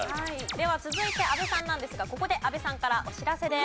では続いて阿部さんなんですがここで阿部さんからお知らせです。